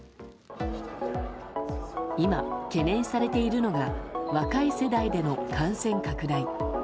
今、懸念されているのが若い世代での感染拡大。